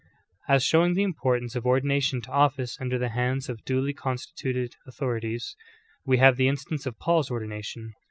As showing the importance of ordination to ofiice under the hands of duly constituted authorities, vv^e have the instance of Paul's ordination.